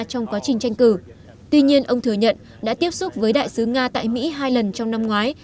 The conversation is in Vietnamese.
trong quá trình tranh cử tuy nhiên ông thừa nhận đã tiếp xúc với đại sứ nga tại mỹ hai lần trong năm ngoái